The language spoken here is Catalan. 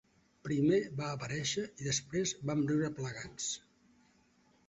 Primer va aparèixer i després vam riure plegats.